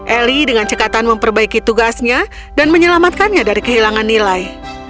eli dengan cekatan memperbaiki tugasnya dan menyelamatkannya dari kehilangan nilai